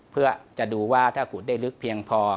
เพื่อจะดูว่าถ้าขุดได้ลึกเพียงพอ